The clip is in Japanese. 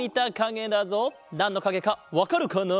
なんのかげかわかるかな？